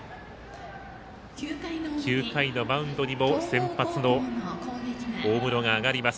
９回のマウンドにも先発の大室が上がります。